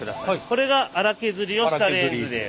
これが荒削りをしたレンズです。